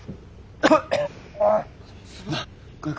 はい。